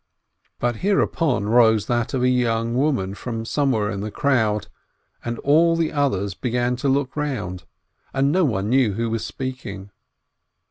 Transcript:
But hereupon rose that of a young woman from somewhere in the crowd, and all the others began to look round, and no one knew who it was speaking.